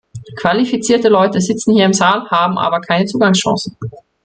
Qualifizierte Leute sitzen hier im Saal, haben aber keine Zugangschancen.